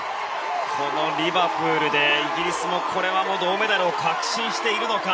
このリバプールでイギリスも銅メダルを確信しているのか。